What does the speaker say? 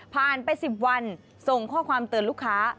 ไป๑๐วันส่งข้อความเตือนลูกค้า